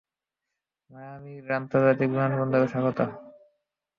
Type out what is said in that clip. Miami আন্তর্জাতিক বিমানবন্দরে স্বাগত।